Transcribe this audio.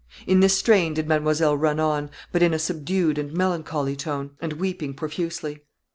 In this strain did mademoiselle run on, but in a subdued and melancholy tone, and weeping profusely.